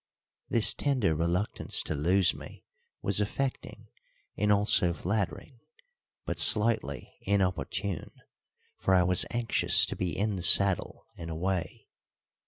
This tender reluctance to lose me was affecting and also flattering, but slightly inopportune, for I was anxious to be in the saddle and away.